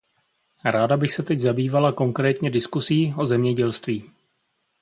Ráda bych se teď zabývala konkrétně diskusí o zemědělství.